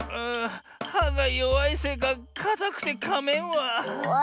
はがよわいせいかかたくてかめんわ。